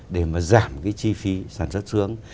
để mà giảm cái chi phí sản xuất xuống